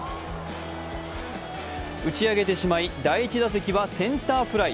打ち上げてしまい第１打席はセンターフライ。